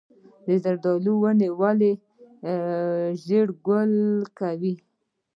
د زردالو ونې ولې ژر ګل کوي؟